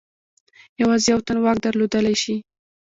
یوازې یو تن واک درلودلای شي.